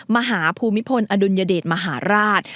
มหาภูมิพลอดุลยเดชมหาราช